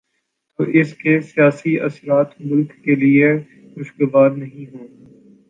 تو اس کے سیاسی اثرات ملک کے لیے خوشگوار نہیں ہوں۔